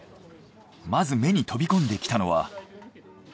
まず目に飛び込んできたのは。